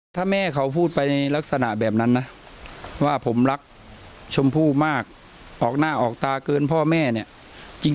ถ้าแม่เขาพูดไปในลักษณะแบบนั้นนะว่าผมรักชมพู่มากออกหน้าออกตาเกินพ่อแม่เนี่ย